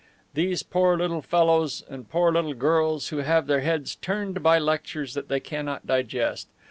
These poor little fellows and poor little girls who have their heads turned by lectures that they cannot digest!